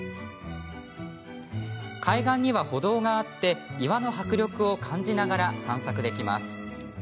海岸には歩道があって岩の迫力を感じながら散策できます。